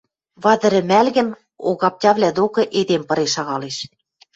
Вады рӹмӓлгӹн Огаптявлӓ докы эдем пырен шагалеш.